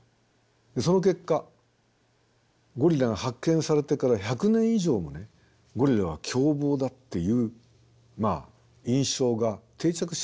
その結果ゴリラが発見されてから１００年以上もねゴリラは凶暴だっていう印象が定着しちゃったんです。